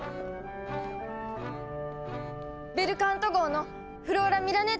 ベルカント号のフローラ・ミラネッティです！